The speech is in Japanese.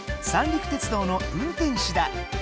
三陸鉄道の運転士だ。